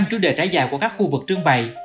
năm chủ đề trái dài của các khu vực trưng bày